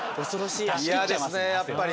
嫌ですねやっぱり。